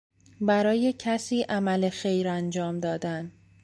برای کسی عمل خیر انجام دادن